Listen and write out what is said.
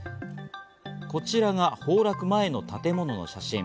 こちらが崩落前の建物の写真。